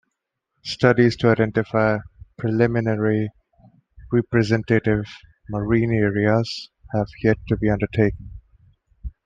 Studies to identify preliminary representative marine areas have yet to be undertaken.